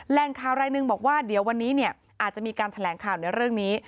แรงข่าวรายหนึ่งบอกว่าเดี๋ยววันนี้อาจจะมีการแถลงข่าวในเรื่องนี้